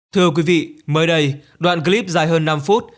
thưa quý vị mới đây đoạn clip dài hơn năm phút